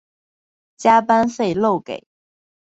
加班费漏给